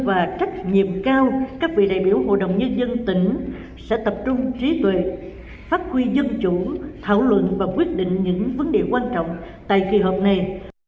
và trách nhiệm cao các vị đại biểu hội đồng nhân dân tỉnh sẽ tập trung trí tuệ phát huy dân chủ thảo luận và quyết định những vấn đề quan trọng tại kỳ họp này